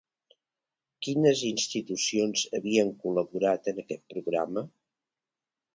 Quines institucions havien col·laborat en aquest programa?